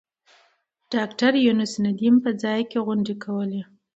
د ډاکټر یونس ندیم په ځای کې غونډې کولې.